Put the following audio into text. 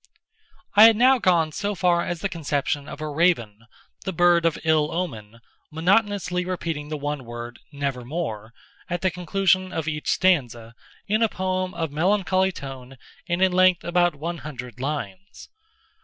I had now gone so far as the conception of a Raven—the bird of ill omen—monotonously repeating the one word, "Nevermore," at the conclusion of each stanza, in a poem of melancholy tone, and in length about one hundred lines.